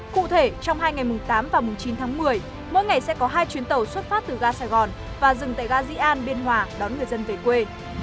cụ thể trong hai ngày mùng tám và mùng chín tháng một mươi mỗi ngày sẽ có hai chuyến tàu xuất phát từ ga sài gòn và dừng tại ga di an biên hòa đón người dân về quê